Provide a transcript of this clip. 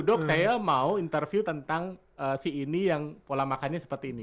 dok saya mau interview tentang si ini yang pola makannya seperti ini